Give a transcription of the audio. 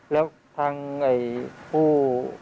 แล้วทางผู้